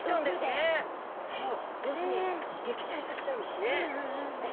そう要するに撃退させちゃうんですね。